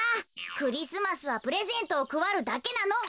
クリスマスはプレゼントをくばるだけなの。